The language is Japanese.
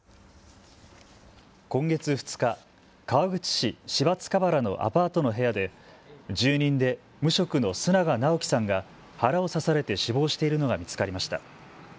今月２日、川口市芝塚原のアパートの部屋で住人で無職の須永尚樹さんが腹を刺されて死亡しているのが見つかりました。